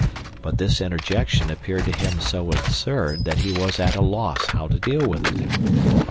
But this interjection appeared to him so absurd that he was at a loss how to deal with it.